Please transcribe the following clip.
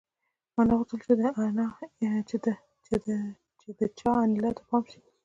ما نه غوښتل چې د چا انیلا ته پام شي